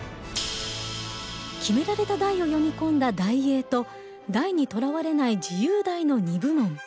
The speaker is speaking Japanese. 決められた題を詠み込んだ題詠と題にとらわれない自由題の２部門。